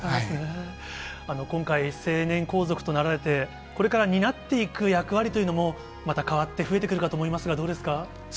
今回、成年皇族となられて、これからになっていく役割というのもまた変わって、増えてくるかと思いますが、どうですか？